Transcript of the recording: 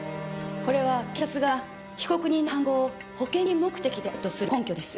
これは検察側が被告人の犯行を保険金目的であるとする根拠です。